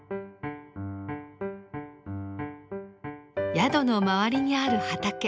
宿の周りにある畑。